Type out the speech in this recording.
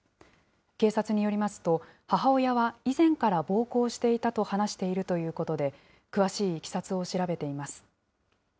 警察によりますと、母親は以前から暴行していたと話しているということで、詳しいいきさつを調べています。